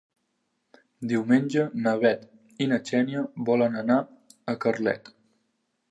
Diumenge na Bet i na Xènia volen anar a Carlet.